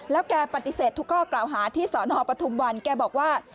แล้วแกปฏิเสธทุกข้อกล่าวหาที่สนปทุมวันแกบอกว่า